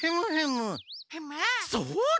そうだ！